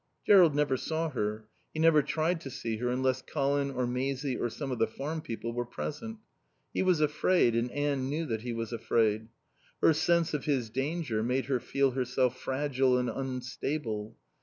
Jerrold never saw her, he never tried to see her unless Colin or Maisie or some of the farm people were present; he was afraid and Anne knew that he was afraid. Her sense of his danger made her feel herself fragile and unstable.